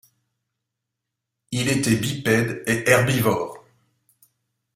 Il était bipède et herbivore.